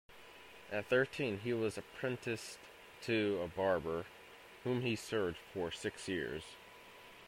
At thirteen he was apprenticed to a barber, whom he served for six years.